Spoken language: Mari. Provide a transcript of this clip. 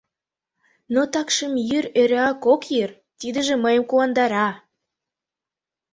— Но такшым йӱр эреак ок йӱр, тидыже мыйым куандара!